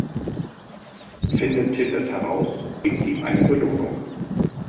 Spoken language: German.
Findet Till es heraus, winkt ihm eine Belohnung.